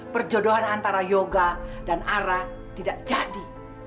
perjodohan antara yoga dan ara tidak jadi